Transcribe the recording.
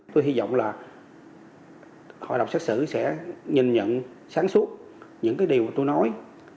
tôi hy vọng là hội đọc xét xử sẽ nhìn nhận sáng suốt những điều tôi nói